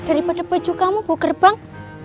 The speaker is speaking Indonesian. daripada baju kamu buker bang